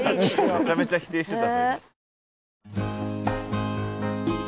めちゃめちゃ否定してた。